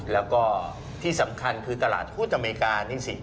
แล้วก็ที่สำคัญคือตลาดหุ้นอเมริกานี่สิ